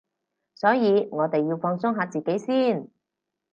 所以我哋要放鬆下自己先